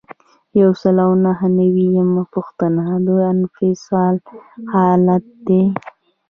یو سل او نهه نوي یمه پوښتنه د انفصال حالت دی.